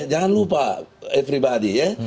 jangan lupa everybody ya